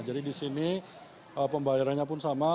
jadi di sini pembayarannya pun sama